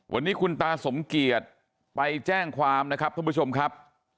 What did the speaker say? วันนี้คุณตาสมเกียจไปแจ้งความนะครับท่านผู้ชมครับ